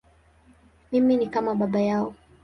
Mimi ni kama baba yao.